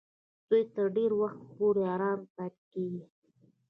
دوی تر ډېر وخت پورې آرام پاتېږي.